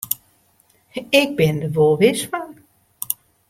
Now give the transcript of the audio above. Ik bin der wol wis fan.